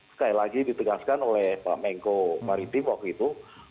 sekali lagi ditegaskan oleh pak menko maritim waktu itu